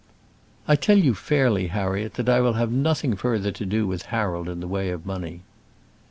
"I tell you fairly, Harriet, that I will have nothing further to do with Harold in the way of money."